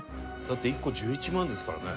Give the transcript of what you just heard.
だって１個１１万ですからね。